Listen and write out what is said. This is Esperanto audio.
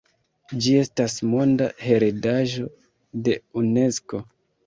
Ĝi estas Monda heredaĵo de Unesko.